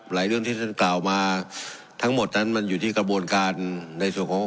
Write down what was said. เรื่องที่ท่านกล่าวมาทั้งหมดนั้นมันอยู่ที่กระบวนการในส่วนของ